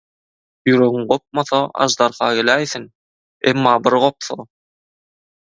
Ýüregiň gopmasa aždarha geläýsin, emma bir gopsa...